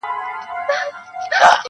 چي له غمه یې ژړل مي تر سهاره-